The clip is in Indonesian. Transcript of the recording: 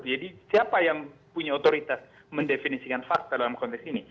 jadi siapa yang punya otoritas mendefinisikan fakta dalam konteks ini